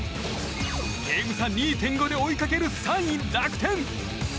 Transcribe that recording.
ゲーム差２．５で追いかける３位、楽天。